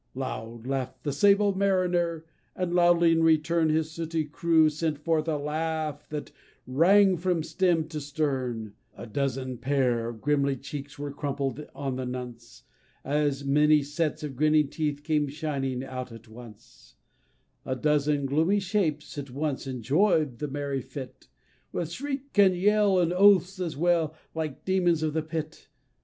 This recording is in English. Loud laugh'd that SABLE MARINER, and loudly in return His sooty crew sent forth a laugh that rang from stem to stern A dozen pair of grimly cheeks were crumpled on the nonce As many sets of grinning teeth came shining out at once: A dozen gloomy shapes at once enjoy'd the merry fit, With shriek and yell, and oaths as well, like Demons of the Pit.